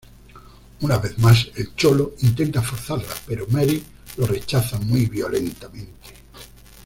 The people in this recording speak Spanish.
Una vez más el Cholo intenta forzarla pero Mary lo rechaza muy violentamente.